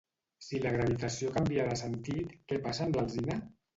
Si la gravitació canvia de sentit, què passa amb l'alzina?